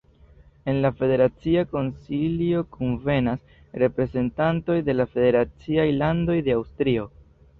En la Federacia Konsilio kunvenas reprezentantoj de la federaciaj landoj de Aŭstrio.